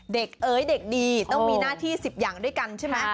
เอ๋ยเด็กดีต้องมีหน้าที่๑๐อย่างด้วยกันใช่ไหม